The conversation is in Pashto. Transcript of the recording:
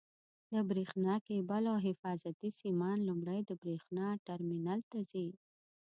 د برېښنا کېبل او حفاظتي سیمان لومړی د برېښنا ټرمینل ته ځي.